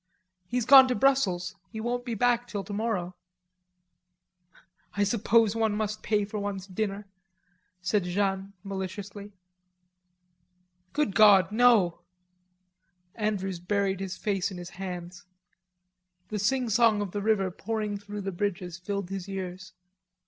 "He's gone to Brussels. He won't be back till tomorrow." "I suppose one must pay for one's dinner," said Jeanne maliciously. "Good God, no." Andrews buried his face in his hands. The singsong of the river pouring through the bridges, filled his ears.